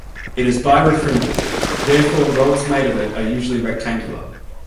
It is birefringent, therefore rods made of it are usually rectangular.